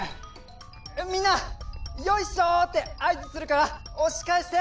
みんな「よいっしょ！」ってあいずするからおしかえして！